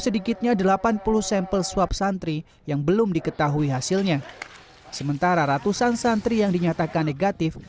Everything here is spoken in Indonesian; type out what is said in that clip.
suap santri yang belum diketahui hasilnya sementara ratusan santri yang dinyatakan negatif